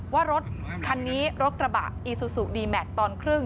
ว่ารถคันนี้รถกระบะอีซูซูดีแมทตอนครึ่ง